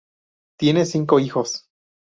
Tiene cinco hijos.